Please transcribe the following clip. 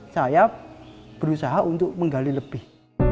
saya berusaha untuk menggali lebih